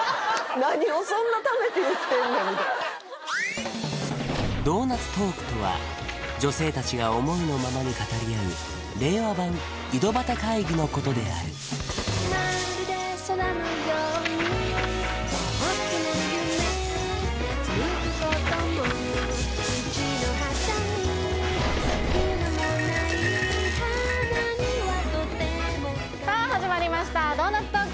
何をそんなためて言ってんねんみたいなドーナツトークとは女性達が思いのままに語り合う令和版井戸端会議のことであるさあ始まりました「ドーナツトーク」！